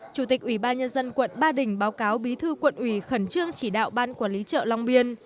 chủ tịch ubnd tp ba đình báo cáo bí thư quận ủy khẩn trương chỉ đạo ban quản lý trợ long biên